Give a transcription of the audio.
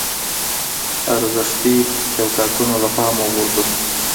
ارزښتي چوکاټونه له پامه وغورځوو.